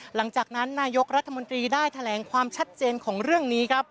หลังจากนั้นนายกรัฐมนตรีได้แถลงความชัดเจนของเรื่องนี้ครับ